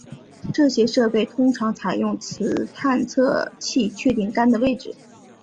这些设备通常采用磁探测器确定杆的位置。